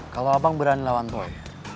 kalau abang berani lawan toy